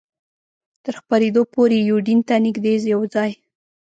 تر خپرېدو پورې یوډین ته نږدې یو ځای.